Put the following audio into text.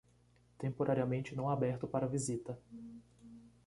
Temporariamente não aberto para visita